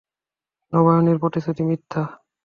নবায়নের প্রতিশ্রুতি মিথ্যা।